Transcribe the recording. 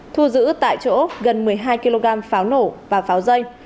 thu giữ tại chỗ gần một mươi hai kg pháo nổ và pháo dây